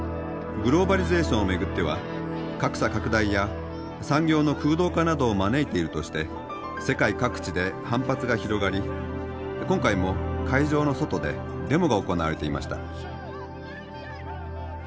グローバリゼーションを巡っては格差拡大や産業の空洞化などを招いているとして世界各地で反発が広がり今回も会場の外でデモが行われていました。